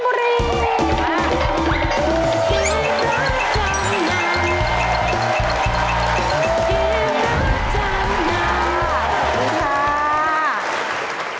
ขอบคุณค่ะ